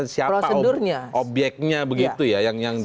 siapa obyeknya begitu ya